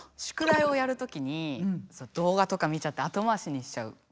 宿題をやるときに動画とか見ちゃってあとまわしにしちゃう。